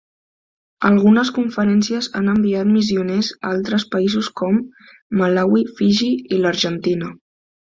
Algunes conferències han enviat missioners a altres països com Malawi, Fiji i l'Argentina.